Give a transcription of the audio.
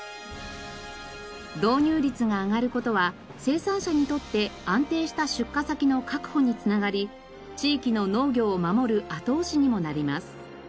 導入率が上がる事は生産者にとって安定した出荷先の確保に繋がり地域の農業を守る後押しにもなります。